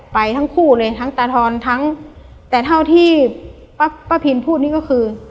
ไปทั้งคู่เลยทั้งตาทอนทั้งแต่เท่าที่ป้าป้าพิมพูดนี่ก็คือ